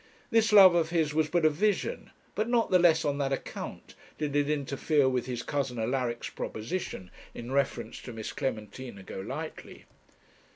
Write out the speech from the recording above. This love of his was but a vision, but not the less on that account did it interfere with his cousin Alaric's proposition, in reference to Miss Clementina Golightly.